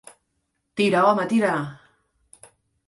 Tira, home, tira!